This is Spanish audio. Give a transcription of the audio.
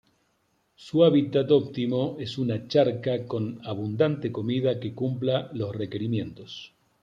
Su hábitat óptimo es una charca con abundante comida que cumpla los requerimientos mencionados.